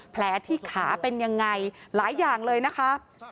แผลที่ขาเป็นยังไงหลายอย่างเลยนะคะ